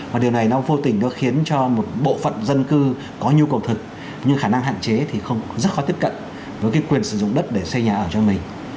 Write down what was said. và điều này nó vô tình nó khiến cho một bộ phận dân cư có nhu cầu thật nhưng khả năng hạn chế thì rất khó tiếp cận với cái quyền sử dụng đất để xây nhà ở cho mình